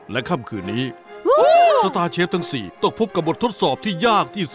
และค่ำคืนนี้สตาร์เชฟทั้ง๔ต้องพบกับบททดสอบที่ยากที่สุด